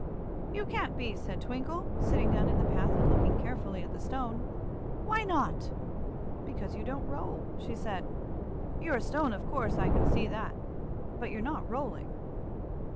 "You can't be," said Twinkle, sitting down in the path and looking carefully at the stone. "Why not?" "Because you don't roll," she said. "You're a stone, of course; I can see that, all right. But you're not rolling."